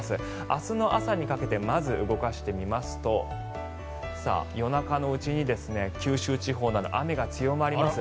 明日の朝にかけてまず動かしてみますと夜中のうちに九州地方など雨が強まります。